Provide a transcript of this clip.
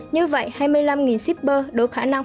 như vậy hai mươi năm sipr đủ khả năng